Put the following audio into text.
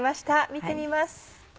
見てみます。